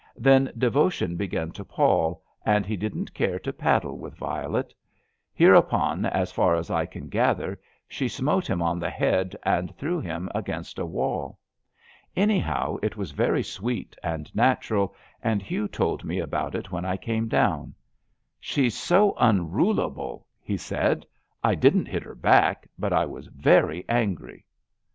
Then devotion began to pall, and he didn't care to paddle with Violet. Hereupon, as far as I can gather, she smote him on the head and threw him against a wall. Anyhow, it was very sweet and natural, and Hugh told me about it when I came down. She's so unrulable," he said. '* I didn't hit her back, but I was very angry."